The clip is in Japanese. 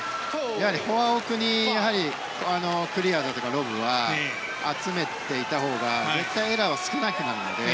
フォア奥にクリアだとかロブを集めていたほうが絶対、エラーは少なくなるので。